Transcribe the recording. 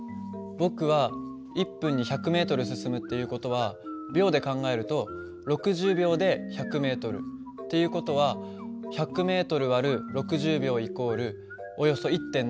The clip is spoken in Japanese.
僕は１分に１００ｍ進むっていう事は秒で考えると６０秒で１００ｍ。っていう事は１００ｍ÷６０秒＝およそ１．７。